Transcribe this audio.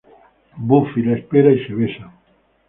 Buffy le espera y se besan.